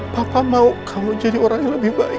papa mau kamu jadi orang yang lebih baik